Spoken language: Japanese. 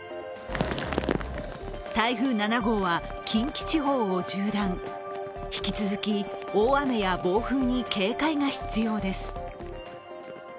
台風７号は近畿地方を縦断、引き続き大雨や暴風に警戒が必要です。